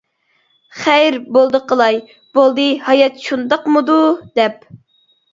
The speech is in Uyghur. خەير بولدى قىلاي. بولدى ھايات شۇنداقمىدۇ دەپ.